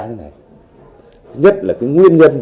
nhất là nguyên nhân